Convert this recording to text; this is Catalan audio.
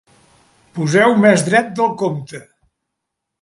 Poseu més dret del compte.